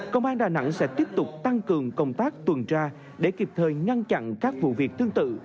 công an đà nẵng sẽ tiếp tục tăng cường công tác tuần tra để kịp thời ngăn chặn các vụ việc tương tự